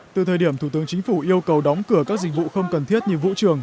từ thời điểm thủ tướng chính phủ yêu cầu đóng cửa các dịch vụ không cần thiết như vũ trường